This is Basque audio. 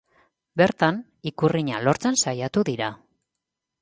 Bertan, ikurriña lortzen saiatu dira.